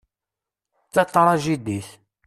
D tatrajdidit.